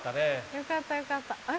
よかったよかった。